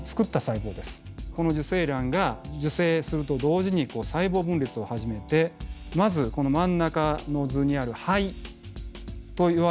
この受精卵が受精すると同時に細胞分裂を始めてまずこの真ん中の図にある胚といわれる状態になります。